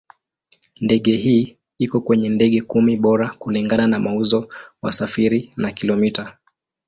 Ndege hii iko kwenye ndege kumi bora kulingana na mauzo, wasafiri na kilomita.